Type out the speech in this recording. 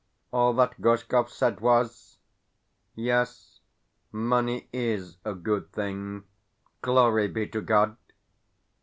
All that Gorshkov said was: "Yes, money IS a good thing, glory be to God!"